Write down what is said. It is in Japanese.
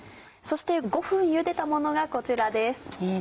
そして５分ゆでたものがこちらです。